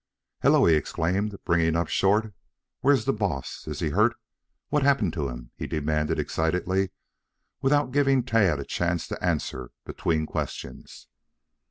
"Hello!" he exclaimed, bringing up short. "Where's the boss? Is he hurt? What happened to him?" he demanded excitedly, without giving Tad a chance to answer between questions.